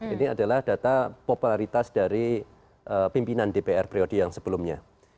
ini adalah data popularitas dari pimpinan dpr priode yang sebelumnya